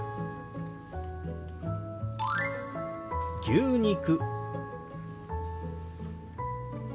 「牛肉」。